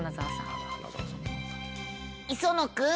磯野君